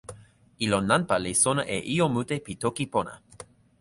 ilo nanpa li sona e ijo mute pi toki pona!